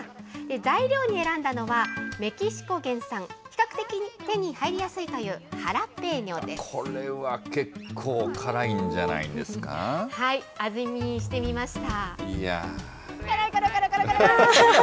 材料に選んだのはメキシコ原産、比較的手に入りやすいというハラこれは結構辛いんじゃないん味見してみました。